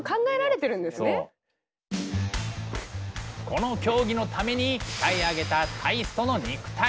この競技のために鍛え上げたタイストの肉体。